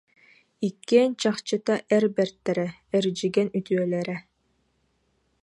Иккиэн чахчыта эр бэртэрэ, эрдьигэн үтүөлэрэ